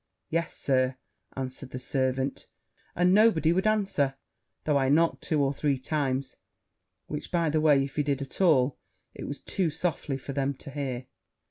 'Yes, Sir,' answered the servant; 'and nobody would answer, though I knocked two or three times;' which, by the way, if he did at all, it was too softly for them to hear.